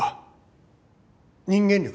人間力。